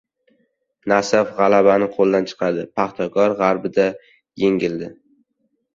“Nasaf” g‘alabani qo‘ldan chiqardi, “Paxtakor” derbida yengildi